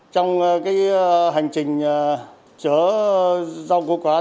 trong hành trình chở rau củ quả